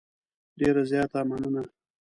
ډېره زیاته مننه .